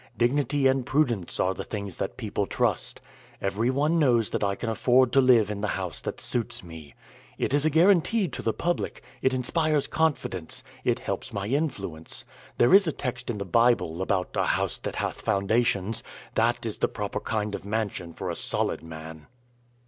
Dignity and prudence are the things that people trust. Every one knows that I can afford to live in the house that suits me. It is a guarantee to the public. It inspires confidence. It helps my influence. There is a text in the Bible about 'a house that hath foundations.' That is the proper kind of a mansion for a solid man."